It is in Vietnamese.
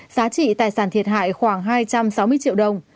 giá trị tài sản thiệt hại khoảng hai trăm sáu mươi triệu đồng